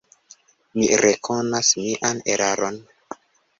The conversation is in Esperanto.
Mi rekonas mian eraron.